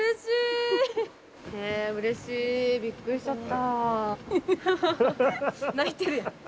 えうれしい。びっくりしちゃった。